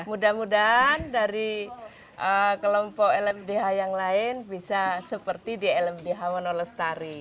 mudah mudahan dari kelompok lmdh yang lain bisa seperti di lmdh wonolestari